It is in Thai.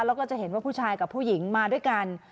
แล้วก็จะเห็นว่าผู้ชายกับผู้หญิงมาด้วยกัน